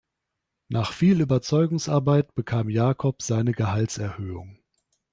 Nach viel Überzeugungsarbeit bekam Jakob seine Gehaltserhöhung.